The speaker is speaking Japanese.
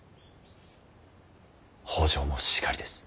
北条もしかりです。